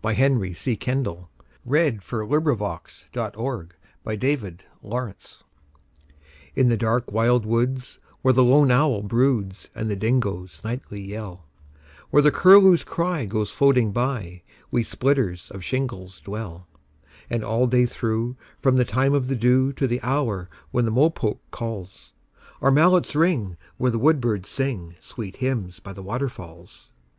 By Henry C. Kendall 27 . Song of the Shingle Splitters IN dark wild woods, where the lone owl broodsAnd the dingoes nightly yell—Where the curlew's cry goes floating by, We splitters of shingles dwell. And all day through, from the time of the dewTo the hour when the mopoke calls, Our mallets ring where the woodbirds singSweet hymns by the waterfalls.